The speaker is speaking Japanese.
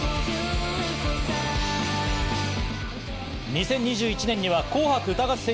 ２０２１年には『紅白歌合戦